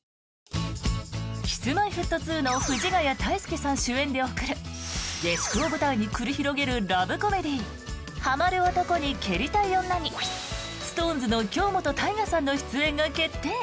Ｋｉｓ−Ｍｙ−Ｆｔ２の藤ヶ谷太輔さん主演で送る下宿を舞台に繰り広げるラブコメディー「ハマる男に蹴りたい女」にＳｉｘＴＯＮＥＳの京本大我さんの出演が決定！